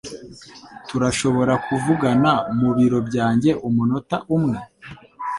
Turashobora kuvugana mu biro byanjye umunota umwe?